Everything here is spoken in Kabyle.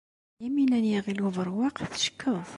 Yamina n Yiɣil Ubeṛwaq teckeḍ.